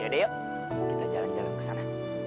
yaudah yuk kita jalan jalan kesana